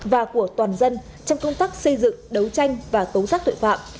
và của toàn dân trong công tác xây dựng đấu tranh và tấu giác tuệ phạm